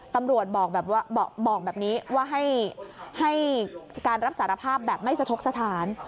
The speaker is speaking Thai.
ตำรวจบอกแบบนี้ว่าให้การรับสารภาพแบบไม่สะทกสถาน